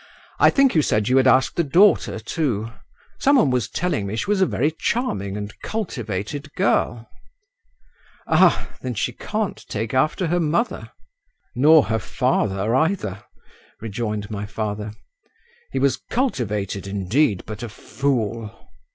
I think you said you had asked the daughter too; some one was telling me she was a very charming and cultivated girl." "Ah! Then she can't take after her mother." "Nor her father either," rejoined my father. "He was cultivated indeed, but a fool."